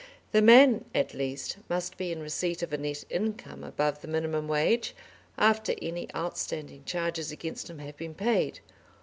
The man at least must be in receipt of a net income above the minimum wage, after any outstanding charges against him have been paid.